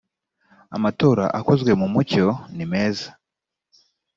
amatora akozwe mu mucyo nimeza